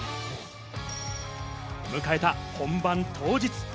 迎えた本番当日。